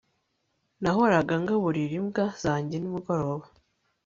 nahoraga ngaburira imbwa zanjye nimugoroba